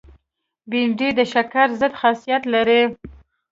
بېنډۍ د شکر ضد خاصیت لري